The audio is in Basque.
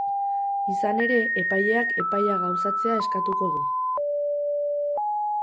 Izan ere, epaileak epaia gauzatzea eskatuko du.